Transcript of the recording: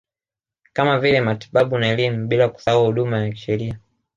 Kama vile matibabu na elimu bila kusahau huduma ya kisheria